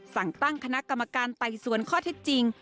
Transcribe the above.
สั่งตั้งคณะกรรมการไต่สวนข้อเท็จจริง